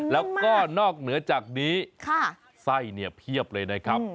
แล้วก็นอกเหนือจากนี้ไส้เนี่ยเพียบเลยนะครับ